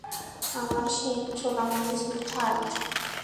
আমার সোনামণি, সুইটহার্ট!